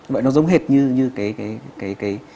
vậy nó giống hệt như cái